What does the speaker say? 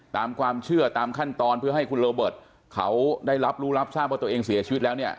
ตามความเชื่อตามขั้นตอนเพื่อให้คุณโรเบิร์ตเขาได้รับรู้รับทราบว่าตัวเองเสียชีวิตแล้วเนี่ย